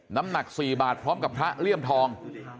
น้ำหนัก๔บาทพร้อมกับพระเลี่ยมทอง